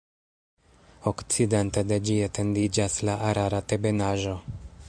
Okcidente de ĝi etendiĝas la Ararat-ebenaĵo.